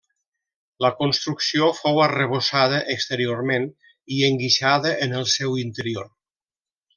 La construcció fou arrebossada exteriorment i enguixada en el seu interior.